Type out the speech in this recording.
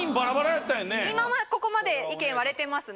ここまで意見割れてますね。